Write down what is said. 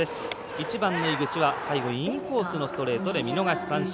１番の井口は最後インコースのストレートで見逃し三振。